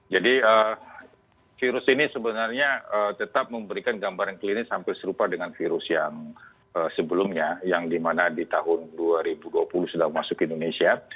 jadi virus ini sebenarnya tetap memberikan gambaran klinis sampai serupa dengan virus yang sebelumnya yang di mana di tahun dua ribu dua puluh sudah masuk indonesia